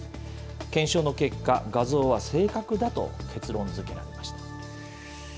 検証の結果、画像は正確だと結論づけられました。